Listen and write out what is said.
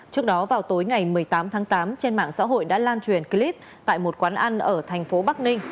trước đó vào tối ngày một mươi tám tháng tám trên mạng xã hội đã lan truyền clip tại một quán ăn ở thành phố bắc ninh